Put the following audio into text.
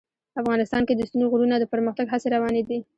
افغانستان کې د ستوني غرونه د پرمختګ هڅې روانې دي.